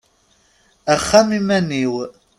Axxam iman-iw;